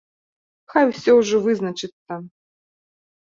Хай усё ўжо вызначыцца.